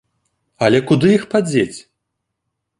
Але куды іх падзець?